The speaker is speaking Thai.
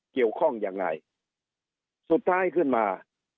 เกี่ยวข้องยังไงสุดท้ายขึ้นมา